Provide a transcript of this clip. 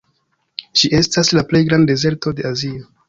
Ĝi estas la plej granda dezerto de Azio.